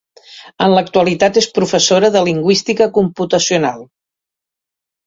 En l'actualitat és professora de Lingüística computacional.